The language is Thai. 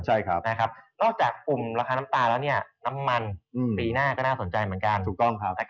นอกจากปุ่มราคาน้ำตาลแล้วน้ำมันปีหน้าก็น่าสนใจเหมือนกัน